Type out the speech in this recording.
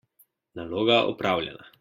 Naloga opravljena!